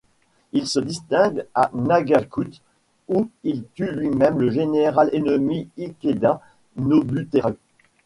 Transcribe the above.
Il se distingue à Nagakute où il tue lui-même le général ennemi Ikeda Nobuteru.